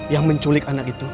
yang menculik anak itu